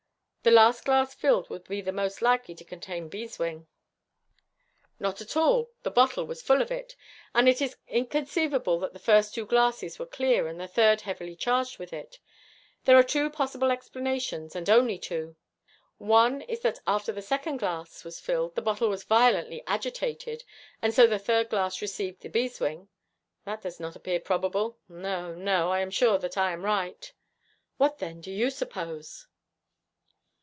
'The last glass filled would be most likely to contain beeswing.' 'Not at all. The bottle was full of it, and it is inconceivable that the first two glasses were clear and the third heavily charged with it. There are two possible explanations, and only two. One is that after the second glass was filled the bottle was violently agitated, and so the third glass received the beeswing. That does not appear probable. No, no, I am sure that I am right.' 'What, then, do you suppose?'